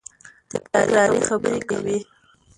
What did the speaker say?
تکراري خبري کوي.